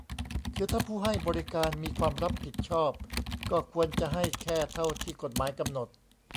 คือถ้าผู้ให้บริการมีความรับผิดชอบ ก็ควรจะให้แค่เท่าที่กฎหมายกำหนด